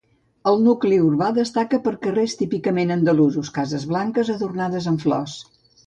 El nucli urbà destaca per carrers típicament andalusos, cases blanques adornades amb flors.